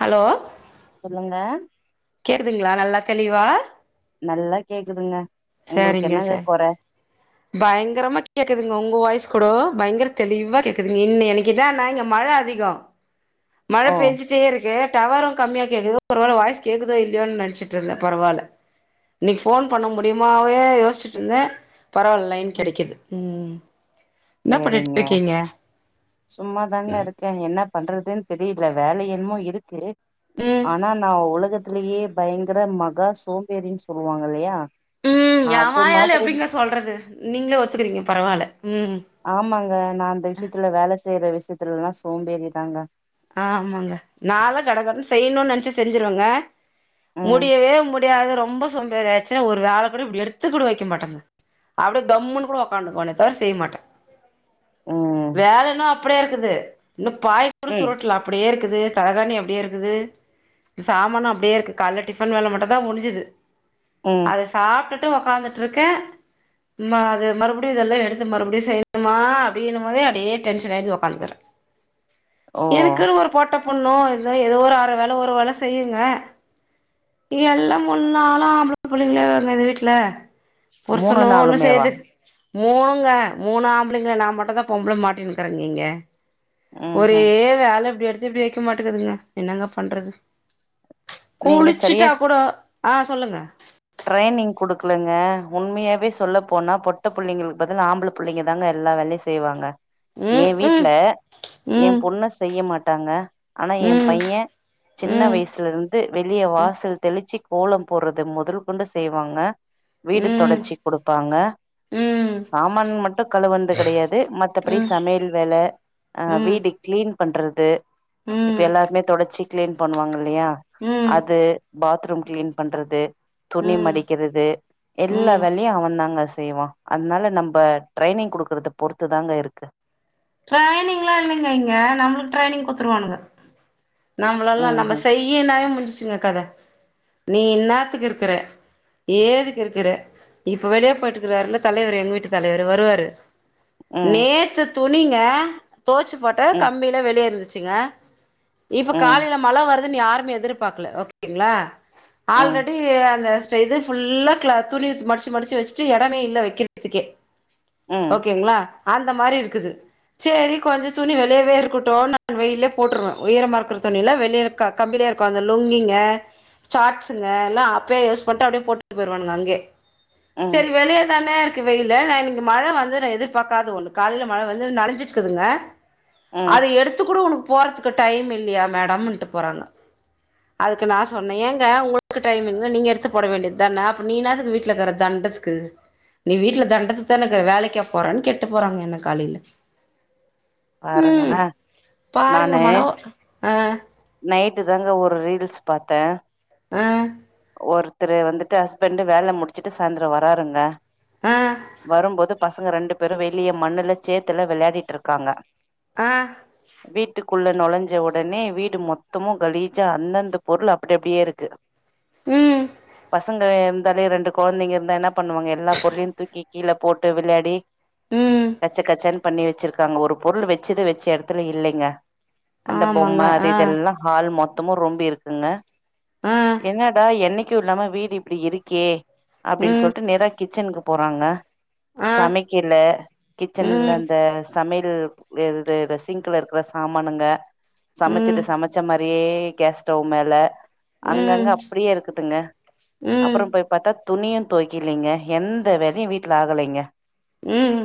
hello சொல்லுங்க கேட்குதுங்களா நல்லா தெளிவா நல்லா கேக்குதுங்க உங்களுக்கு சரிங்க என்னங்க சார் கொர பயங்கரமா கேக்குதுங்க உங்க வயசு கூடோ பயங்கர தெளிவா கேக்குதுங்க இன்ன எனனைக்குதா நா இங்க மழை அதிகோ மழ ஓ பெஞ்சிட்டே இருக்கு டவரு கம்மியா கேக்குது ஒரு வேல வாய்ஸ் கேக்குதோ இல்லையோ நினைச்சிட்டு இருந்தே பரவால இன்னிக்கு ஃபோன் பண்ண முடியுமாவே யோசிச்சிட்டு இருந்தே பரவாயில்ல லைன் ம் கேடைக்குது ம் ம் என்ன பண்ணிட்டு சேரிங்க இருக்கீங்க சும்மா தாங்க இருக்கே என்ன பண்றதுன் தெரியல வேல என்னமோ இருக்கு தெ ம் ஆனா நா உலக உலகத்லயே பயங்கர மகா சோம்பேரின் சொல்லுவாங்க இல்லயா உம் ஏ வாயால எப்டிங்க சொல்றது நீங்ளே ஒத்துக்குறீங்க பரவால ஆமாங்க நா அந்த விஷயத்ல வேல செய்ற விஷயத்ல எல்லா சோம்பேறி தாங்க ஆமாங்க நால்லா கடகடன்னு செய்யணு நெனச்சா செஞ்சிருவேங்க ம் முடியவே முடிய எப்பயாவது ரொம்ப சோம்பேறி ஆயிடுச்சுன ஒரு வேல கூட இப்டி எடுத்துக்கூட வக்க மாட்டா அப்டி கம்முனு கூட உக்காந்ருபானே தவிர செய்ய மாட்ட ம் வேலன அப்டியே இருக்குது இன்னு பாய் ஒரு ம் சுருட்ல அப்டியே இருக்குது தலகாணி அப்டியே இருக்குது சாமானு அப்டியே இருக்கு காலைல டிஃபன் வேல மட்டு தா முடிஞ்சுது ம் அது சாப்டுட்டு மட்டு உக்காந்துட்டு இருக்கே அது மறுபடியு இதெல்லா எடுத்து மறுபடியு செய்யணுமா அப்டினு போதே அப்டியே டென்ஷன் ஆயிட்டு உக்காந்துகுறே ஓ எனக்குன்னு ஒரு பொட்ட பொண்ணோ ஏதோ ஒரு அர வேல ஒரு வேல செய்யுங்க எல்லா முண்ணாலு ஆம்ள புள்ளங்க இந்த வீட்ல மூணு புருசனூ ஒன்னு நாளுமேவா செய்றது மூனுங்க மூனு ஆம்ளைங்க நா மட்டு தா பொம்பள மாட்டின்னுக்கிறேங்க நீங்க உம் உம் அதெல இப்டி எடுத்து இப்டி வக்க மாட்டேங்கதுங்க என்னங்க பண்றது நீங்க சரியா குளுச்சிட்டா கூட ஆ சொல்லுங்க க்களுங்க உண்மையாவே சொல்ல போனா பொட்ட புள்ளங்களுக்கு பதில் ஆம்ள புள்ளங்க தாங்க எல்லா வேலயு செய்வாங்க எ ம் ம் வீட்ல எ ம் பொண்ண செய்ய மாட்டே ட்டாங்க ஆனா எ ம் பைய சின்ன ம் வயசுல இருந்து வெளிய வாசல் தெளிச்சு கோலம் போடுறது மொதல் கொண்டு செய்வாங்க வீடு ம் தொடச்சி குடுப்பாங்க ம் சாமான் மட்டு கலுவந்னது கிடயாது மத்தபடி ம் சமயல் வேல அ ம் வீடு கிளீன் பண்றது இப்ப ம் எல்லாருமே தொடச்சி கிளீன் பண்ணுவாங்ள இல்லய ம் அது பாத் ரூம் கிளீன் பண்றது துணி ம் மடிக்கிறது ம் எல்லாவேலையும் அவன் தாங்க செய்வான் அதனால நம்ம ட்ரைனிங் குடுக்கறத பொறுத்து தாங்க இருக்கு ட்ரைனிங் லா இல்லைங்க இங்க நம்மளுக்கு ட்ரைனிங் குடுத்துருவானுங்க நம்மளெல்லா நம்ம ம்ஹும் செய்யனாவே முடிச் நீ இன்னத்துக்கு இருக்கற ஏதுக்கு இருக்கிற இப்ப வெளியே போய்ட்டுக்கிறாருல தலைவர் எங்க வீட்டு தலைவர் வருவாரு ம் நேத்து துணிங்க தோச்சு போட்ட ம் கம்பியில வெளியே இருக்குது சுங்க இப்ப ம் காலையில மல வருது யாருமே எதிர்பார்கக்கல ஓகேங்களா ம் ஆல்ரெடி அந்த இது ஃபுல்லா கிலாத் துணி மடிச்சி மடிச்சி வச்ட்டு எடமே இல்ல வைக்கிறதுக்கே ம் ஓகேங்களா ஆந்த மாரி இருக் சேரி கொஞ்ச துணி வெளியவே இருக்கட்டும் நா வெயிலயே போட்றனும் உயரமா இருக்ற துணில்ல வெளில கா கம்பிலே இருக்கு அந்த லுங்கிங்க சாட்ஸ்ங்க எல்லா அப்யே யோஸ் பண்ட்டு அப்டியே போட்டுட்டு போய்டுவாங்க அங்கே ம் சேரி வெளிய தானே இருக் க்கு வெயில நான் இன்னைக்கி மழ வந்துரும் எதிர்பாக்காத ஒண்ணு கால்ல மழ வந்து நானஞ்சுருக்குதுங்க ம் அத எடுத்துகூட உனக் போறதுக்கு டைம் இல்லயா மேடம்ன்ட்டு போறாங்க அதுக்கு நா சொன்னேன் ஏங்க உங்களுக்கு டைமா இருந்தா நீங்க எடுத்து போட வேண்டியதானே அப்ப நீஎன்னாத்துக்கு வீட்ல இருக்குற தெண்டத்கு நீ வீட்ல தெண்டத்துக்கு தானே இருக்குற வேலைக்க போறன்னு கேட்டு போறாங்க என்ன காலையில உம் பாருங்களே பாருங்க நானு மனவ ஆஹ் த்து தாங்க ஒரு ரீல்ஸ் பாத்தேன் ஆஹ் ஒருத்தர் வந்துட்டு ஹஸ்பண்ட் வேல முடிச்ட்டு சாய்தரம் வராருங்க ஆ வரும்போது பசங்க ரெண்டு பேரும் வெளிய மண்ணுல சேத்துல வெளையாடிட்டு இருக்காங்க ஆஹ குள்ள நுழைஞ்ச உடனே வீடு மொத்தமும் கலீஜா அந்தந்த பொருள் அப்டி அப்டியே இருக்கு ம் பசங்க எம் இருந்தாலே ரெண்டு குழந்தைங்க இருந்தா என்ன பண்ணுவாங்க எல்லா பொருளயும் தூக்கி கீழே போட்டு விளையாடி ம் கச்ச கச்சன் பண்ணி வச்சிருக்காங்க ஒரு பொருள் வெச்சது வெச்ச எடத்துல இல்லிங்க அந்த ஆமாங்க பொம்ம அது ஆ இது எல்லா ஹால் மொத் த்தமு ரொம்பி இருக்குங்க ஆ என்னடா என்னைக்கு இல்லாம வீடு இப்டி இருக்கே அப்டின் ம் சொல்ட்டு நேரா கிச்சன்க்குப் போறாங்க ஆ சமைக்கல கிச்சன்ல ம் இந்த சமயல் து இது இது சிங்குல இருக்குற சாமானுங்க ம் சமச்சுட்டு சமச்ச மாரி அப்டியே கேஸ் ஸ்டவ் மேல அங்கங்க ம் அப்டியே இருக்குதுங்க ம் அப்புறம் போய் பாத்தா துணியு தொவக்கிலிங்க எந்த வேலயு வீட்ல ஆகலைங்க ம்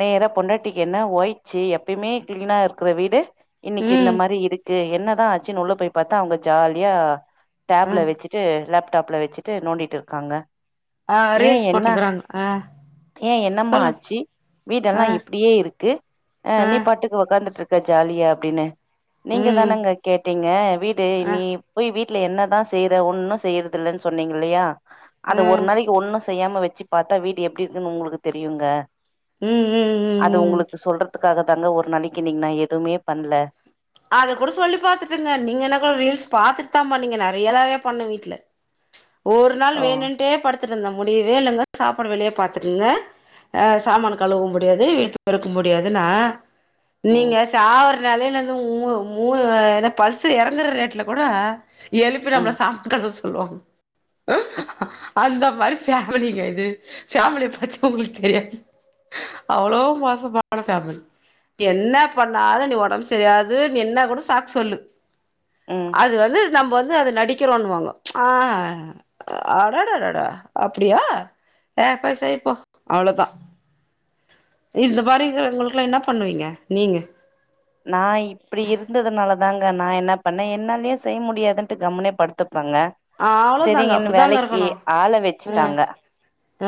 நேரா பொண்டாடிக்கு என்ன ஓயிச்சு எப்பயுமே கிளீனா இருக்குற வீடு இன்னிக்கு இந்த ம் மாரி இருக் டு என்னதா ஆச்சுன் உள்ள போய் பாத்தா அவங்க ஜாலியா ஆ டேப்ல வெச்சுட்டு லேப் டேப்ல வெச்சுட்டு நோண்டிட்டு இருக்காங்க ஆ ஏ ரீல்ஸ் என்ன போட்டுக்கிறாங்க ஆ ஏ என்னம்மா சொல்லுங்க ஆச்சு வீடெல்லா ஆ இப்படியே இருக்கு அ நீ ஆ பாட்டுக்கு உக்காந்துட்டு இருக் க்க ஜாலியா அப்டின்னு நீங்க ம் தானங்க கேட்டீங்க வீடு அ நீ போய் வீட் வீட்ல என்னதா செய்யற ஒன்னு செய்யறது இல்லன் சொன்னீங்க இல்லியா அது அ ஒரு நாளைக்கு ஒன்னுஸ் செய்யாம வெச்சு பாத்தா வீடு எப்டி இருக்குன் உங்களுக்கு தெரியுங்க ம் ம் ம் அது ம் உங்களுக்கு சொல்றதுக் க்காக தாங்க ஒரு நாளைக்கு நீங்க நா எதுமே பண்ல அத கூட சொல்லி பத்தாம்மா நீங்க நறையதாவே பண்ணு வீட்ல ஒரு நாள் ஓ வேணுன்டே படுத் படுத்துட்டு இருந்த முடியவே இல்லங்க சாப்பாடு வெளியேன பாத்துக்கங்க அ சாமானோ கழுவ முடியாது வீட்ட பெறுக்க முடியாதுன்னா ம் நீங்க சாவுர நாலே நானு து மூ மூ என்ன பல்சு இறங்குற ரேட்ல கூட எழுப்பி ம் நம்மள சாப்டஸ் சொல்லுவாங்கோ ம் அஹ அந்த மாரி ஃபேமிலிங்க இது ஃபேமிலிய பத்தி உங்களுக்கு தெரியாது அவ்வளோ மோசமான ஃபேமிலி என்ன பண்ணாலு நீ ஒடம்புஸ் செரி அது நீ என்னா கூட சாக்கு சொல்லு ம் அது வந்து நம்ம வந்து அத நடிக்கிறோன்னுவாங்க ஆ அ அடடடடா அப்டியா ஏ பச இப்பொ அவ்ளதா இந்த மாரி கலன்களுக்லா என்னா பண்ணுவீங்க நீங்க நா இப்டி இருந்ததுனால தாங்க நா என்னா பண்ணே என்னாலய செய்ய முடியாதுன்ட்டு கம்முனே படுத்துப் பங்க‌ ஆ அவ்ளோதாங்க சேரிங்கன்னு அப்டிதாங்க வேலைக்கு இருக்கணு ஆள வச்சுட்டாங்க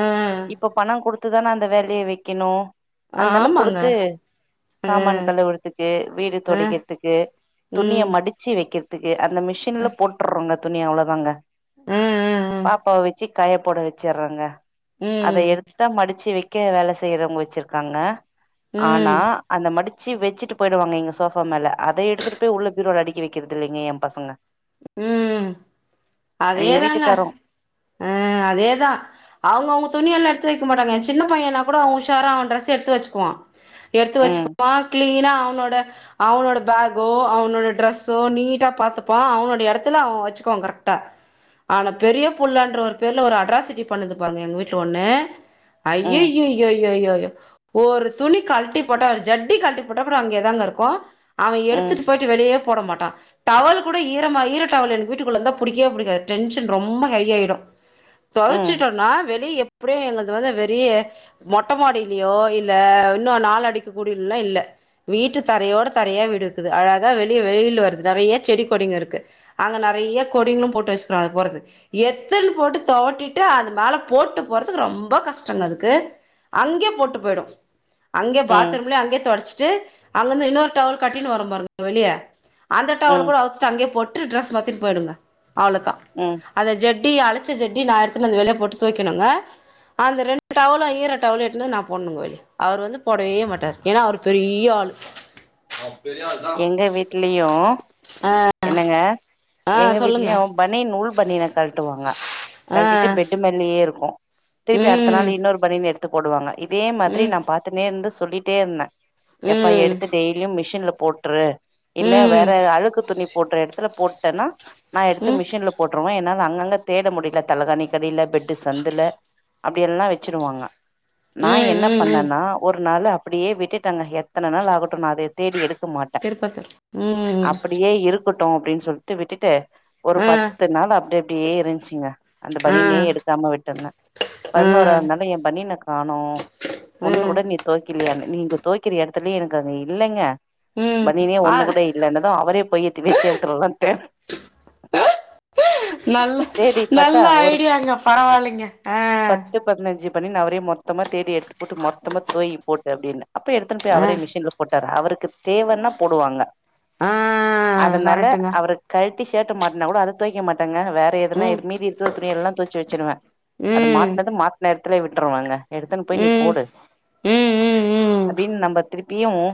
ஆ இப்ப பண குடு ட்டு தா நா அந்த வேலைய வக்கெணு ஆ அன்னால ஆமாங்க குடுத்து ஆ சாமான் கழுவுற கு வீடு ஆ தொடக்கிற்துக்கு துணிய ம் மடுச்சு வக்கெற்துக்கு து அந்த மிஷின்ல போட்டுர்றோங்க துணி அவ்ளொதாங்க ஆ ஆ ஆ பாப்பாவ வச்சிக் காய போட வச்சுர்றங்க அத ம் எடுத்தா மடுச்சு வை க்க வேல செய்றவுங்க வச்சுருக்காங்க ம் ஆனா அந்த மடு ச்சு வச்சுட்டு போய்டுவாங்க இங்க சோஃபா மேல அத எடுத்துட்டு போய் உள்ள பீரோல அடுக்கி வக்கிறதில்லெங்க எம் பசங்க ம் எங்க அதேதாங்க வீட்டுக்காரு அ அதேதா அவுங்கவுங்க துணியெல்லா எடுத்து வை க்க மாட்டாங்க சின்ன பையன்னா கூட அவ உஷார அவ டிரெஸ்ஸ எடுத்து வச்சுக்குவா எடுத்து ம் வச்சுக்குவா க்ளீனா அவனோட அவனோட பேகோ அவனோட ட்ரெஸ்ஸோ நீட்டா பாத்துப்பா அவ னுடைய எடத்துல அவ வச்சுக்குவா கரெக்டா ஆனா பெரியபுள்ளன்ற ஒரு பேருல ஒரு அட்ராசிட்டி பண்ணுது பாருங்க எங்க வீட்ல ஒன்னு ம் அய்யய்யய்யய் யொயொயோ ஒரு துணி கழ்டி போட்டா ஒரு ஜட்டி கழ்டி போட்டா கூட அங்கயே தாங்க இருக்கு அவ எடுத்துட்டு ம் போயிட்டு வெளியே போட மாட்டா டவலு கூட ஈரமா ஈர டவல் எனக்கு வீட்டுக்குள்ளந்தா புடிக்கவே புடிக்காது டென்ஷன் ரொம்ப ஹை‌ ஆயிடு ம் தொவச்சுட்டோன்னா வெளிய எ ப்புடியே எங்கள்து வந்து வெரிய மொட்ட மாடிலயோ இல்ல இன்னு நால் அடிக்க கூடில்லா இல்ல வீட்டு தரையோட தரையா வீடுக்குது அழகா வெளிய வெயில் வருது நெறைய செடி கொடிங்க இருக்கு அங்க நறைய கொடிங்களு போட்டு வச்சுக்கிறோ அது போறது எத்துன்னு போட்டு தொவட்டிட்டு அது மேல போட்டு போறதுக்கு ரொம்ப கஷ்டங்க அதுக்கு அங்யே போட்டு போயிடு அங்கே ம் பாத்ரூம்லே அங்கே தொடச்சு ட்டு அங்கந்து இன்னோரு டவல் கட்டினு வரும் பாருங்க வெளிய அந்த டவலு ம் கூட அவு அப்டியே போட்டு டிரெஸ் மாத்தின் போயிடுங்க அவ்ளதா ம் அத ஜெட் ஜட்டி அழச்ச ஜட்டி நா எடுத்துனு வந்து வெளிய போட்டு தொவைக்கணுங்க அந்த ரெண்டு டவுலு ஈர டவுல எடுத்துனு நா போடனுங்க வெளிய அவர் வந்து போடவே மாட்டாரு ஏன்னா அவரு பெரிய ஆளு எங்க வீட்லயு ஆ என்னங்க ஆ எங்க சொல்லுங்க வீட்லயு பனினு ஃபுள் பனினாக் கழட்டுவாங்க ஆ கழ்டிட்டு பெட்டு் மேல்லயே இருக்கு திருப்பி அடுத்த ம் நாள் இன்னொரு பணின எடுத் த்து போடுவாங்க இப் இதே மாதிரி ம் நா பாத்துனே இருந்தஸ் சொல்லிட்டே இருந்த எப்பா ம் எடுத்து டெய்லியு மிஷின்ல ட்ரூ ம் இல்ல ம் வேற அழுக்கு துணி போட்டுற எடுப் இதுல போட்டேன்னா நா எடுத்து ம் மிஷின்ல போட்ருவ என்னால் அங்கங்க தேட முடில தலகாணிக்கடில பெட் பெட்டு சந்துல அப்டி எல்லா வெச்சுருவாங்க நா ம் என்ன ம் பண்ணன்னா ஒரு நாளு அப் அப்டியே விட்டுட்டங்க எத்தன நாள் ஆகட்டு நா அதைய தேடி எடுக்க மாட் திருப்பத்தூர் ம் இருக்கட்டு அப்டின் சொல்ட்டு விட்டுட்டு ஒரு ஆ பத்து நாள் அப்டி அப்டியே இருந்துச்சுங்க அந்த பனினே ஆ எடுக்காம விட்டுருந்த ம் பதினோராாவது நாள் எ பனின காணோ ஒண்ணு ம் கூட நீ தொவைக்கிலியானு நீங்க தொவிக்குற எடத்துலயு எனக்கு அங்க இல்லங்க ம் பணினே ஆ ஒண்ணு கூட இல்லன்னது அவரே போய் திவெச்சு எடுத்துட்டு வரலான்டு நல்ல தே தேடிப்பாத்தா நல்ல ஒரு ஐடியாங்க பரவாயில்லைங்க ஆ பத்து பதினஞ்சு பணின அவரே மொத்தமா தேடி எடுத்து போட்டு மொத்தமா தொவக்கி போட்டு அப்டின்னு அப்ப எடுத்துன் போய் ஆ அவரே மிஷின்ல போட் டாரா அவருக்கு தேவன்னா போடுவாங்க ஆ அதனால கரெக்ட்டுங்க அவரு கழ் டி ஷோட்ட மாட்னா கூட அத தொவிக்க மாட் டாங்க வேற எதனா ம் மீதி இருக்குற துணிய எல்லா தொவச்சு வெச்சுருவ அது ம் மாட்னது மாட்ன எடத்துலயே விட்டுருவங்க எடுத்துன் போய் நீ ம் போடு ம் ம் ம் அப்டின் நம்ப திருப் பியவு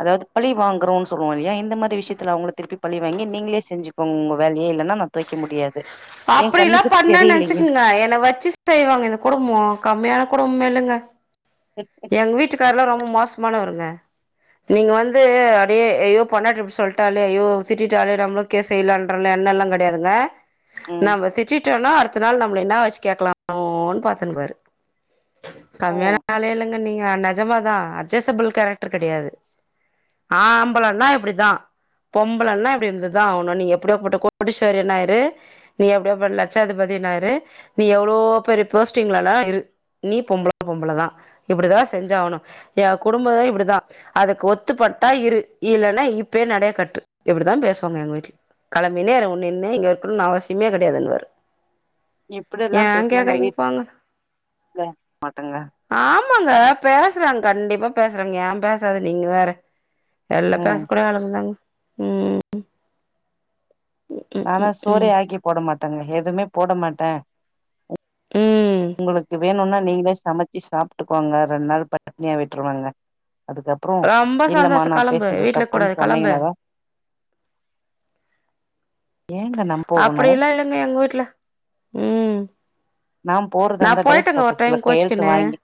அதாவது பழி வாங்குறோனு சொல்லுவோ இல்லயா இந்த மாரி விஷயத்ல அவங்ள திருப்பி பழி வாங்கி நீங்ளே செஞ்சிக்கோங்க உங்க வேலய இல்லன நா தொவைக்க முடியாது என் அப்டிலா கண்ணுக்கு பண்ணேனு தெரியலீங்க நினச்சுக்கங்க என்ன வச்சு செய்வாங்க இந்த குடும்ப கம்மியான குடும்ப இல்ல ங்க எங்க வீட்டுக்காரெல்லா ரொம்ப மோசமான வருங்க நீங்க வந்து அப்டியே ஐயோ பொண்டாட்டி இப்டி சொல்டாலே ஐயோ திட்டிட்டாலே நம்மளு கேஸே இல்லன்ற எண்ண எல்லா கிடயாதுங்க ம் நமஸே [unintelligible] தினொ அடுத்த நாள் நம்ள என்னா வச்சு கேக்கலானு பாத்துனு இருப்பாரு ஓ கம்மியான ஆலே இல்லங்க நீங்க நெஜமாதா அட்ஜஸ்புல் கேரக்டர் கெடயாது ஆம்பளனா இப்டிதா பொம்பளனா இப்டி இதுதா நீ எப்டியா பட்ட கோடிஸ்வரின இரு நீ எப்டியா பட்ட லட்சாதிபதினா இரு என்ன நீ எவ்ளோ பெரிய போஸ்டிங்லன இரு நீ பொம்பள பொம்பள தா இப்டிதா செஞ்சாவணு எ குடும்ப இப்டிதா அதுக்கு ஒத்துப்பட்டா இரு இல்லனா இப்பயே நடய கட்டு இப்டிதா பேசுவாங்க எங்க வீட்ல கிளம்பினே இரு இங்க இருக்கணும்னு அவசியமே கெடயாதுன்னுவாரு இப்டி எல்லா பேசுனா நா வீட்டுக்கு வர மாட்டேங்க ஆமாங்க பேசுறாங்க கண்டிப்பா பேசுறாங்க ஏன் பேசாது நீங்க வேற எல்லா பேச ம் கூடிய அழகுதாங்க உம் நானா சோறே ஆக்கி போட மாட்ட ங்க எதுமே போட மாட்டே ம் உங்களுக்கு வேணுனா நீங்ளே சமச்சு சாப்டுகோங்க ரெண்டு நாள் பட்னியா விட்ருவேங்க ரொம்ப சந்தோஷ கெலம்பு வீட்ல இருக்க தப்புன்னு கூடாது கெலம்பு சொன்னீங்கன்னாதா ஏங்க நா போகணு அப்டிலா இல்லங்க எங்க வீட்ல உம் போறதா இருந்தா டைவஸ் பத்ரத்ல கையெழுத்து வாங்கி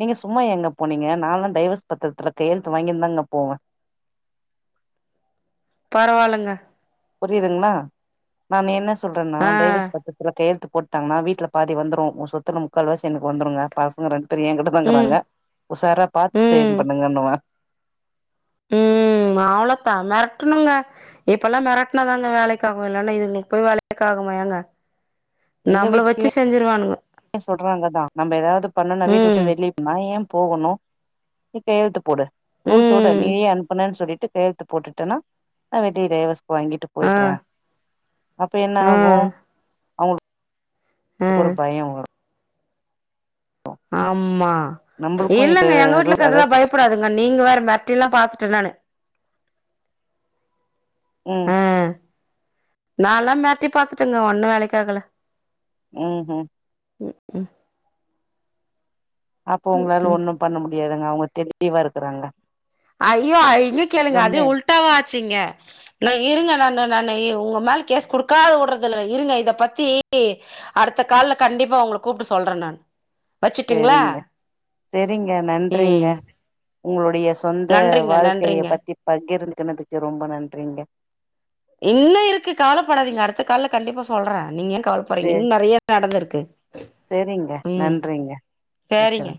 நீங்க சும்மா ஏங்க போனீங்க நால டைவஸ் பத்ரத்ல கையெழுத்து வாங்கினுதாக போவே பரவால்லங்க புரியுதுங்ளா நான் என்ன சொல்றேனா ஆ டைவஸ் பத்ரத்ல கையெழுத்து போட்டாங்னா வீட்ல பாதி வந்ரு ஒ சொத்துல முக்கால் வாசி எனக்கு வந்துருங்க பசங்க ரெண்டு இப்ப எங்கிட்ட ம் தங்குராங்க உஷாரா பாத்து செயல் பண்ணுங்கன்னுவா ம் ம் அவ்ளோத்தா மெரட்டுணுங்க இப்பல்லா மெரட்டுனாதாங்க வேலைக்கு ஆவு இல்லன்னா இதுங்களுக்கு போய் வேலைக்கு ஆகுமா ஏங்க நம்மள வச்சு செஞ்சிருவானுங்க சொல்றாங்க தா நம்ம ஏதாவது பண்ணுனா வீட்ட விட்டு ம் வெளியேத்னா ஏ போகணு நீ கையெழுத்து போடு ரூல்ஸோட ம் நீயே அனுப்பனேனு சொல்லிட்டு கையெழுத்து போட்டுடேனா அத டீவஸ் வாங்கிட்டு ஆ போயிட்றே அப்ப என்ன ஆ ஆகு அவுங்களுக்கு ஆ ஒரு பய்ய வரு ஆமா நம்மளுக்கு இது இல்லங்க எங்க ரூல் வீட்லக்கதுலா அதாவது பயப்புடாதுங்க நீங்க வேற மெர்ட்டில்லா பாத்துட்ட நானு ம் நால்லா மெர்ட்டி பாத்துட்டெங்க ஒன்னு வேலைக்காகல ம்ஹும் ம் ம் அப்ப உங்ளால ஒன்னு பண்ண முடியாது அவுங்க தெளிவா இருக்குறாங்க ஐயோ அய் இத கேளுங்க அதெ உல்டாவா ஆச்சு இங்க இருங்க நா ந நானு இ உங்க மேல கேஸ் குடுக்காது வுட்றதில்ல இருங்க இத பத்தி அடுத்த கால்ல கண்டிப்பா உங்கள கூப்ட்டு சொல்றெ நானு செரிங்க செரிங்க நன்றிங்க ம் உங்களுடைய சொந்த நன்றிங்க வாழ்க்கைய நன்றிங்க பத்தி பகிர்ந்து தினதுக்கு ரொம்ப நன்றிங்க இன்னு இருக்கு கவலப்படாதீங்க அடுத்த கால்ல கண்டிப்பா சொல்றே நீங்க என் செ கவலபறீங்க இன்னு நறைய நடந்துருக்கு செரிங்க ம் நன்றிங்க வச்சுறே சேரிங்க